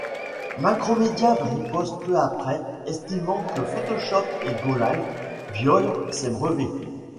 Macromedia riposte peu après, estimant que Photoshop et GoLive violent ses brevets.